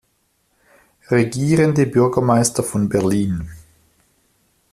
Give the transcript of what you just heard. Regierende Bürgermeister von Berlin.